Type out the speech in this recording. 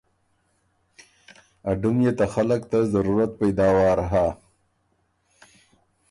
ا ډُم يې ته خلق ته ضرورت پېداوار هۀ۔